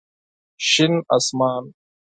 شين اسمان